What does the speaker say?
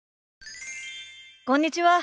こんにちは。